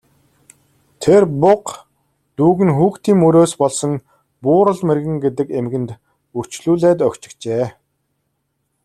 Тэр буга дүүг нь хүүхдийн мөрөөс болсон Буурал мэргэн гэдэг эмгэнд үрчлүүлээд өгчихжээ.